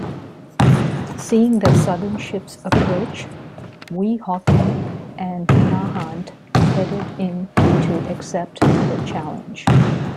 Seeing the Southern ships approach, "Weehawken" and "Nahant" headed in to accept the challenge.